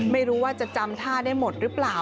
ไม่รู้ว่าจะจำท่าได้หมดหรือเปล่า